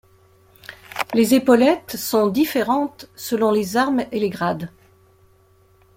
Les épaulettes sont différentes selon les armes et les grades.